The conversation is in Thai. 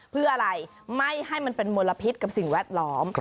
เพื่ออะไรไม่ให้มันเป็นมลพิษกับสิ่งแวดล้อม